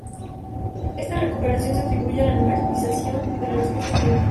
Esta recuperación se atribuye a la normalización de la respuesta inmune.